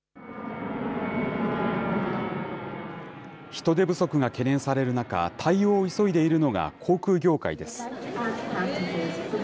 人手不足が懸念される中、対応を急いでいるのが航空業界です。